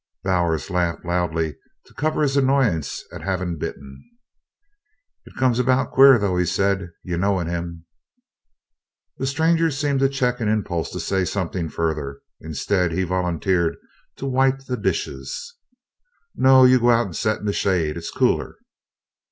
Bowers laughed loudly to cover his annoyance at having bitten. "It's come about queer, though," he said, "your knowin' him." The stranger seemed to check an impulse to say something further; instead, he volunteered to wipe the dishes. "No, you go out and set in the shade it's cooler."